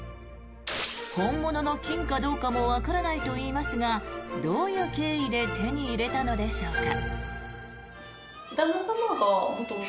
本物の金かどうかもわからないといいますがどういう経緯で手に入れたのでしょうか。